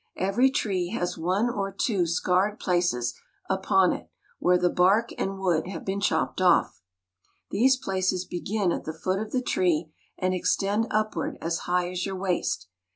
Every tree has one or two scarred places upon it where the bark and wood have been chopped off. These places begin at the foot of the TURPENTINE FARMING. 127 tree and extend upward as high as your waist.